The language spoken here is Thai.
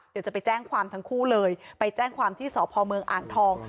เดี๋ยวจะไปแจ้งความทั้งคู่เลยไปแจ้งความที่สพเมืองอ่างทอง